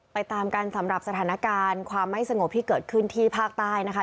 ตามกันสำหรับสถานการณ์ความไม่สงบที่เกิดขึ้นที่ภาคใต้นะคะ